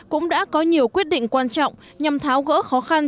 cũng đã có nhiều quyết định quan trọng nhằm tháo gỡ khó khăn